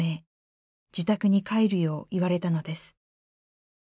自宅に帰るよう言われたのです。